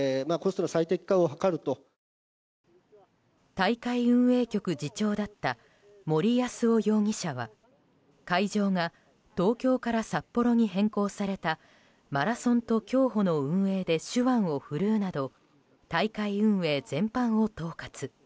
大会運営局次長だった森泰夫容疑者は会場が東京から札幌に変更されたマラソンと競歩の運営で手腕を振るうなど大会運営全般を統括。